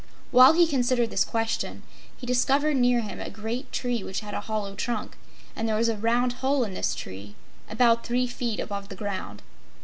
While he considered this question he discovered near him a great tree which had a hollow trunk, and there was a round hole in this tree, about three feet above the ground.